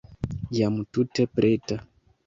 Jam tute preta.